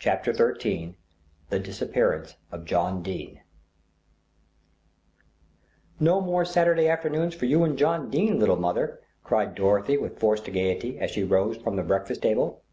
CHAPTER XIII THE DISAPPEARANCE OF JOHN DENE "No more Saturday afternoons for you and John Dene, little mother," cried Dorothy with forced gaiety as she rose from the breakfast table.